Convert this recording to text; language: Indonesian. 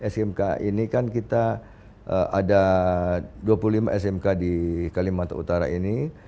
smk ini kan kita ada dua puluh lima smk di kalimantan utara ini